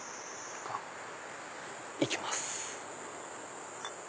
行きます。